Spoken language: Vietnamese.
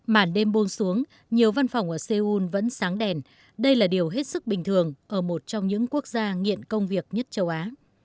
màn đêm buông xuống nhiều văn phòng ở seoul vẫn sáng đèn đây là điều hết sức bình thường ở một trong những quốc gia nghiện công việc nhất châu á